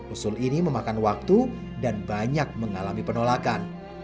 usul ini memakan waktu dan banyak mengalami penolakan